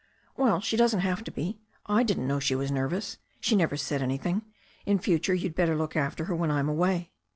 "Well, she doesn't have to be. I didn't know she was nervous. She never said anything. In future you'd better look after her when I'm away."